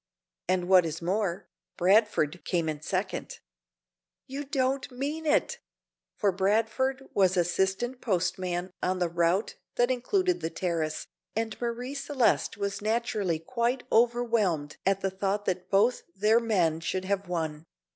"And what is more, Bradford came in second." "You don't mean it!" for Bradford was assistant postman on the route that included the Terrace, and Marie Celeste was naturally quite overwhelmed at the thought that both their men should have won.